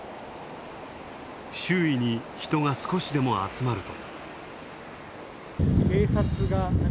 周囲に人が少しでも集まると。